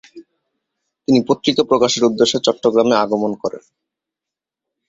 তিনি পত্রিকা প্রকাশের উদ্দেশ্যে চট্টগ্রামে আগমন করেন।